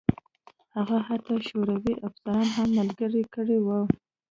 هغه حتی شوروي افسران هم ملګري کړي وو